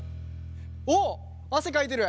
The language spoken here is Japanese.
おっ汗かいてる。